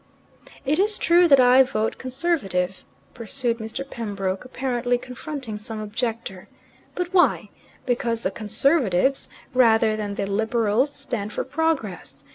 "It is true that I vote Conservative," pursued Mr. Pembroke, apparently confronting some objector. "But why? Because the Conservatives, rather than the Liberals, stand for progress.